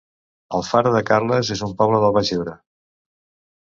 Alfara de Carles es un poble del Baix Ebre